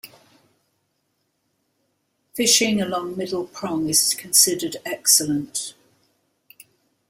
Fishing along Middle Prong is considered excellent.